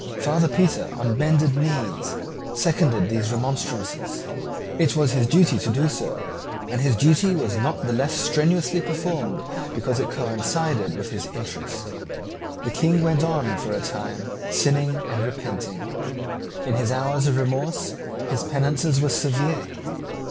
Father Petre, on bended knees, seconded these remonstrances. It was his duty to do so; and his duty was not the less strenuously performed because it coincided with his interest. The King went on for a time sinning and repenting. In his hours of remorse his penances were severe.